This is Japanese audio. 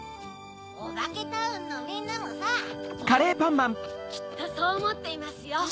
・オバケタウンのみんなもさ・きっとそうおもっていますよ。